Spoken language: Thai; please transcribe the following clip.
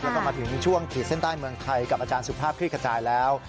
แล้วก็มาถึงช่วงขีดเส้นใต้เมืองไทยกับอาจารย์สุภาพคลิกขจายแล้ว